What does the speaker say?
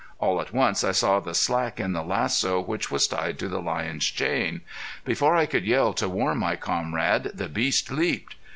All at once I saw the slack in the lasso which was tied to the lion's chain. Before I could yell to warn my comrade the beast leaped.